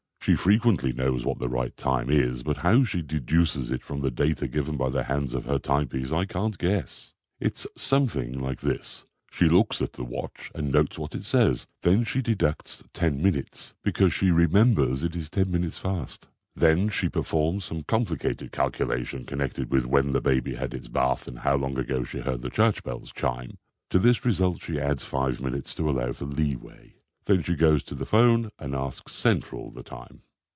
She frequently knows what the right time is, but how she deduces it from the data given by the hands of her timepiece I can't guess. It's something like this: She looks at the watch and notes what it says. Then she deducts ten minutes, because she remembers it is ten minutes fast. Then she performs some complicated calculation connected with when the baby had his bath, and how long ago she heard the church bells chime; to this result she adds five minutes to allow for leeway. Then she goes to the phone and asks Central the time.